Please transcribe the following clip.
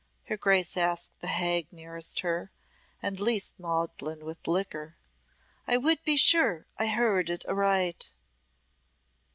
her Grace asked the hag nearest to her, and least maudlin with liquor. "I would be sure I heard it aright."